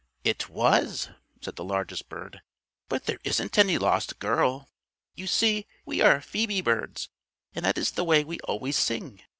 "It was," said the largest bird, "but there isn't any lost girl. You see we are Phoebe birds, and that is the way we always sing.